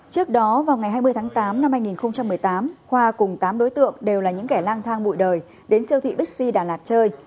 trước đó vào ngày hai mươi tháng tám năm hai nghìn một mươi tám khoa cùng tám đối tượng đều là những kẻ lang thang bụi đời đến siêu thị bixi đà lạt chơi